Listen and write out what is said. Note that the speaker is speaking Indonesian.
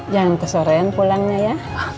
jangan tersorian pulangnya ya